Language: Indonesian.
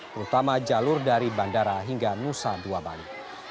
terutama jalur dari bandara hingga nusa dua bali